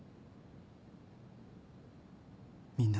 みんな。